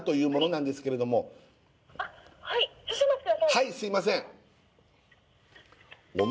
はいすいませんあっ